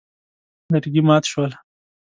لرګي مات شول.